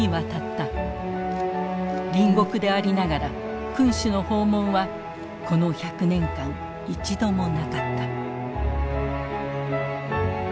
隣国でありながら君主の訪問はこの１００年間一度もなかった。